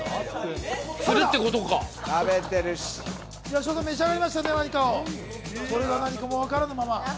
八代さん召し上がりましたね、これが何か分からぬまま。